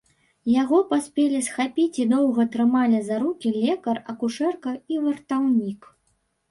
Яго паспелі схапіць і доўга трымалі за рукі лекар, акушэрка і вартаўнік.